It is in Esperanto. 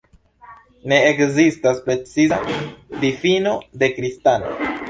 Ne ekzistas preciza difino de kristano.